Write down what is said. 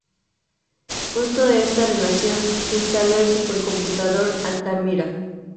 Fruto de esta relación, se instaló el supercomputador Altamira.